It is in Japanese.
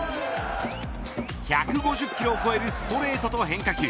１５０キロを超えるストレートと変化球。